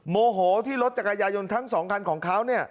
โมโหที่รถจักรยายนทั้ง๒คันของเขา